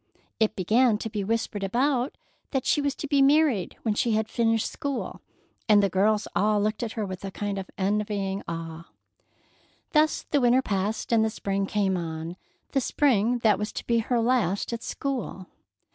It began to be whispered about that she was to be married when she had finished school, and the girls all looked at her with a kind of envying awe. Thus the winter passed and the spring came on, the spring that was to be her last at school.